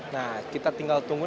nah kita tinggal tunggu